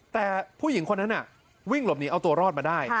แต่ผู้หญิงคนนั้นวิ่งหลบหนีเอาตัวรอดมาได้